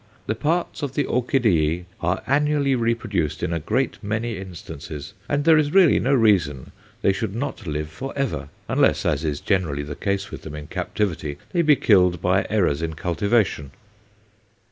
The parts of the orchideæ are annually reproduced in a great many instances, and there is really no reason they should not live for ever unless, as is generally the case with them in captivity, they be killed by errors in cultivation."